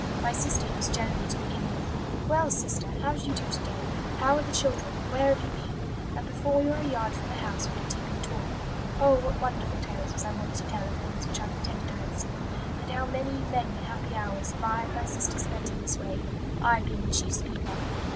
My sister used generally to begin with, 'Well, sister, how do you do to day? How are the children? Where have you been?' and before we were a yard from the house we were deep in talk. Oh, what wonderful tales was I wont to tell of things which I pretended I had seen, and how many, many happy hours have I and my sister spent in this way, I being the chief speaker."